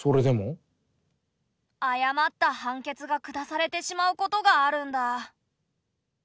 誤った判決が下されてしまうことがあるんだ。